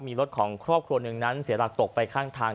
มีรถของครอบครัวหนึ่งนั้นเสียหลักตกไปข้างทาง